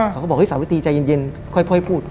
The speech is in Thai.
เขาก็บอกสาวิตรีใจเย็นค่อยพูด